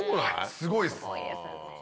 すごいです。